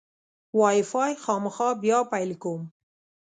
وای فای خامخا بیا پیل کوم.